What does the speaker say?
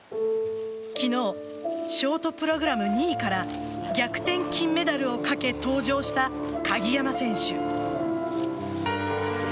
昨日ショートプログラム２位から逆転金メダルをかけ登場した鍵山選手。